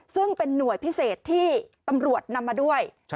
ซึ่งเป็นหน่วยพิเศษที่ตำรวจนำมาด้วย